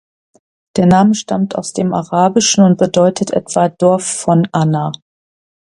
Der Name stammt aus dem Arabischen und bedeutet etwa "Dorf von Anna".